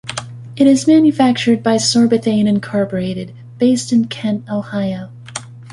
It is manufactured by Sorbothane, Incorporated based in Kent, Ohio.